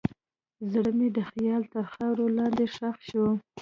زړه مې د خیال تر خاورو لاندې ښخ شو.